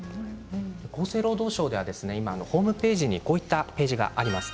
厚生労働省ではホームページにこんなページがあります。